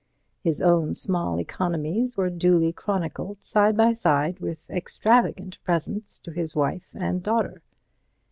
His own small economies were duly chronicled side by side with extravagant presents to his wife and daughter.